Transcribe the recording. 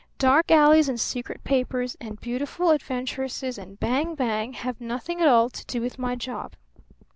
Dark alleys and secret papers and beautiful adventuresses and bang bang have nothing at all to do with my job.